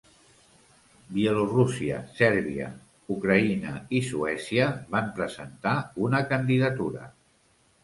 Bielorússia, Sèrbia, Ucraïna i Suècia van presentar una candidatura.